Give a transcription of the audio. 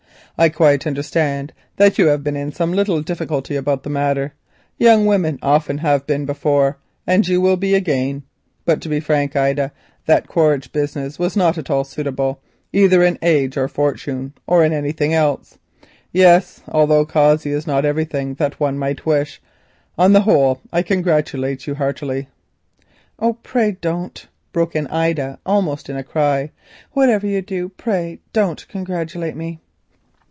I quite understand that you have been in some difficulty about the matter; young women often have been before you, and will be again. But to be frank, Ida, that Quaritch business was not at all suitable, either in age, fortune, or in anything else. Yes, although Cossey is not everything that one might wish, on the whole I congratulate you." "Oh, pray don't," broke in Ida, almost with a cry. "Whatever you do, pray do not congratulate me!"